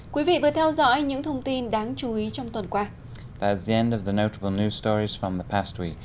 quý vị vừa theo dõi những thông tin đáng chú ý trong tuần qua